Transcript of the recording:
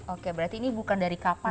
oke berarti ini bukan dari kapas ya